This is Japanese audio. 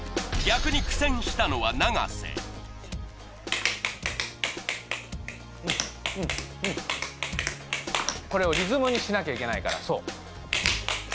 逆に苦戦したのは永瀬これをリズムにしなきゃいけないからそう。